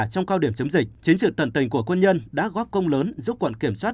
trong cao điểm chấm dịch chính trực tận tình của quân nhân đã góp công lớn giúp quận kiểm soát